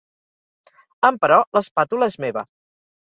“Emperò l'espàtula és meva”.